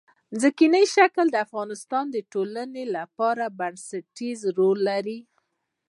ځمکنی شکل د افغانستان د ټولنې لپاره یو بنسټيز رول لري.